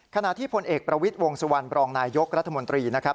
ขณะที่พลเอกประวิทย์วงสุวรรณบรองนายยกรัฐมนตรีนะครับ